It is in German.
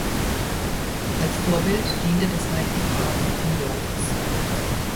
Als Vorbild diente das Heilige Grab in Görlitz.